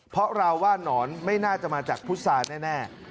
เพราะเราว่านอนไม่น่าจะมาจากพุษาแน่